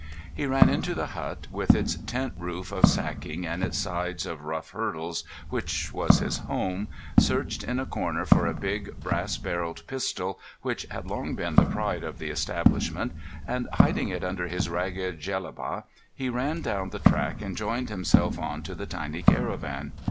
He ran into the hut, with its tent roof of sacking and its sides of rough hurdles, which was his home, searched in a corner for a big brass barrelled pistol which had long been the pride of the establishment, and, hiding it under his ragged jellaba, he ran down the track and joined himself on to the tiny caravan.